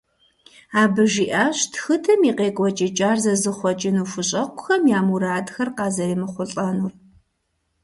Абы жиӀащ тхыдэм и къекӀуэкӀыкӀар зэзыхъуэкӀыну хущӀэкъухэм я мурадхэр къазэремыхъулӀэнур.